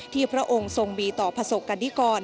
ที่พระองค์ทรงมีต่อประศกกันดิกร